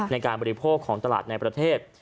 บริโภคของตลาดในประเทศ